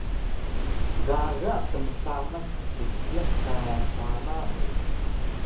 Gaga tmsamac dgiyaq ka tama mu